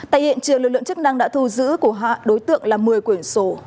tại hiện trường lực lượng chức năng đã thu giữ của hạ đối tượng là một mươi quyển sổ